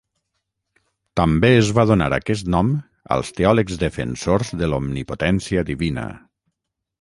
També es va donar aquest nom als teòlegs defensors de l'omnipotència divina.